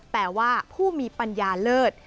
แต่ว่าผู้มีปัญญาเลิศ